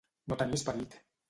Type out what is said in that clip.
No tenir esperit.